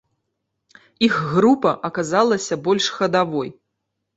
Іх група аказалася больш хадавой.